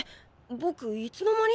ぼくいつの間に？